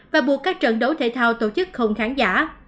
và buộc các trận đấu thể thao tổ chức khùng kháng giả